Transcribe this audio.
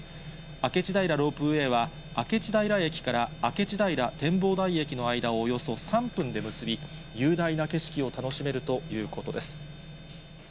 明智平ロープウェイは明智平駅から明智平展望台駅の間をおよそ３分で結び、雄大な景色を楽しめるということです。